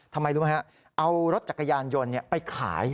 ทำไมรู้ไหมฮะเอารถจักรยานยนต์ไปขาย